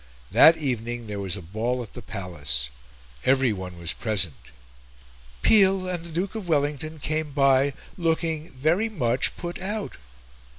That evening there was a ball at the Palace. Everyone was present. "Peel and the Duke of Wellington came by looking very much put out."